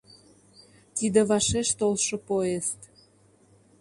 — Тиде вашеш толшо поезд.